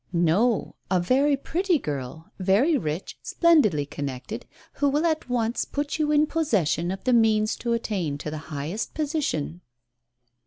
" No ; a very pretty girl, very rich, splendidly con nected, who will at once put you in possession of the means to attain to the highest position."